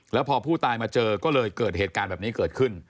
แล้วพอผู้ตายมาเจอก็เลยเกิดเหตุการณ์แบบนี้เกิดขึ้น